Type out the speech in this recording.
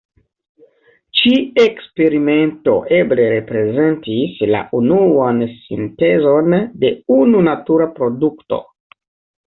Ĉi-eksperimento eble reprezentis la unuan sintezon de unu natura produkto.